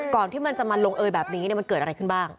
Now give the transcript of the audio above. ที่มันจะมาลงเอยแบบนี้มันเกิดอะไรขึ้นบ้าง